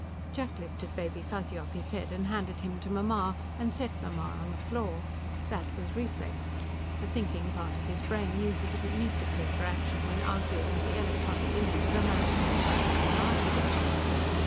Jack lifted Baby Fuzzy off his head and handed him to Mamma, and set Mamma on the floor. That was reflex; the thinking part of his brain knew he didn't need to clear for action when arguing with the electronic image of a man twenty five hundred miles away.